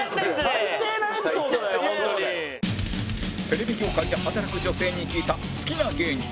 テレビ業界で働く女性に聞いた好きな芸人